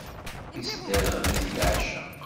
Isderɣel-it leεceq.